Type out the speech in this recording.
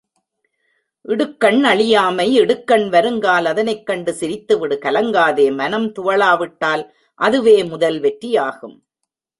இடுக்கண் அழியாமை இடுக்கண் வருங்கால் அதனைக் கண்டு சிரித்துவிடு கலங்காதே மனம் துவளாவிட்டால் அதுவே முதல் வெற்றியாகும்.